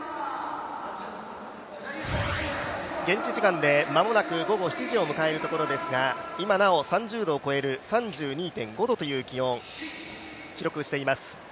現地時間で間もなく午後７時を迎えるところですが、今なお３０度を超える３２．５度という気温を記録しています。